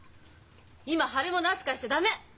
今腫れ物扱いしちゃ駄目！